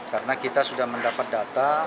karena kita sudah mendapat data